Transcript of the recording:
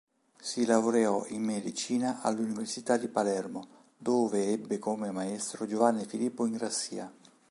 Si laureò in medicina all'Università di Palermo dove ebbe come maestro Giovanni Filippo Ingrassia.